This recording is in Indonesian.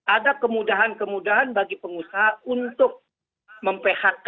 ada kemudahan kemudahan bagi pengusaha untuk mem phk